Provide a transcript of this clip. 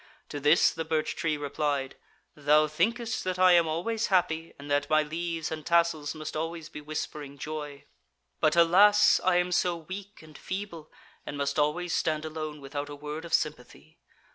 To this the birch tree replied: 'Thou thinkest that I am always happy, and that my leaves and tassels must always be whispering joy. But, alas! I am so weak and feeble, and must always stand alone without a word of sympathy.